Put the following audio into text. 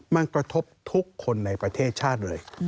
มันกระทบทุกคนในประเทศชาติเลย